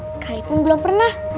sekalipun belum pernah